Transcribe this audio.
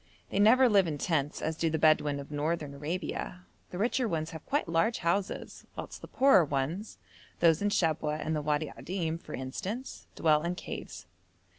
They never live in tents, as do the Bedouin of Northern Arabia; the richer ones have quite large houses, whilst the poorer ones those in Shabwa and the Wadi Adim, for instance dwell in caves.